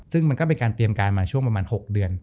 ซึ่งมันก็เป็นการเตรียมการมาช่วงประมาณ๖เดือน